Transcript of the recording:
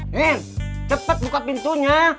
nin cepat buka pintunya